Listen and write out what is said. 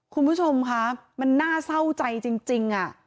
คุณผู้ชมคะมันน่าเศร้าใจจริง